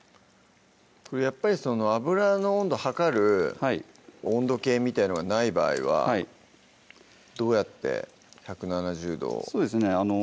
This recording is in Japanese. やっぱり油の温度測る温度計みたいのがない場合はどうやって１７０度をそうですね